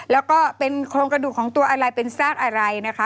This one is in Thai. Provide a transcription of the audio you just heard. แล้วก็ของกระดูกของตัวอะไรเป็นสักอะไรนะคะ